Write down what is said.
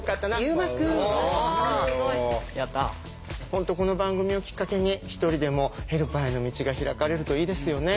本当この番組をきっかけに一人でもヘルパーへの道が開かれるといいですよね。